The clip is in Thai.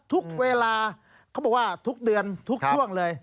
ทุกเวลาเขาบอกว่าทุกเดือนทุกช่วงเลย